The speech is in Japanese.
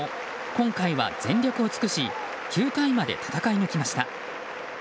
今回は全力を尽くし９回まで戦い抜きました。